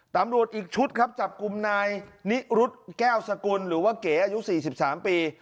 ตำรวจอีกชุดครับจับกลุ่มนายนิรุธแก้วสกุลหรือว่าเก๋อายุ๔๓ปี